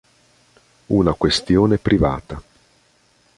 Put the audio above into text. Una questione privata